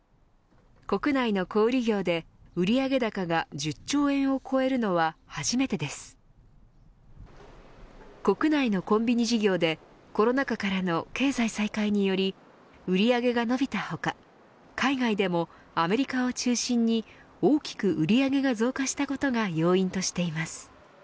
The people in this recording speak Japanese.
国内の小売り業で売上高が１０兆円を超えるのは初めてです国内のコンビニ事業でコロナ禍からの経済再開により売り上げが伸びた他海外でもアメリカを中心に大きく売り上げが増加したことが要因としています